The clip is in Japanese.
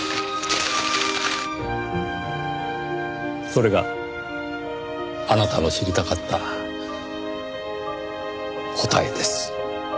それがあなたの知りたかった答えです。